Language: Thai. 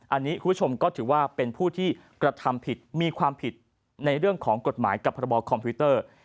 อันนี้คุณผู้ชมก็ถือว่าเป็นผู้ที่กระทำผิดมีความผิดในเรื่องของกฎหมายกับพระบอคอมพิวเตอร์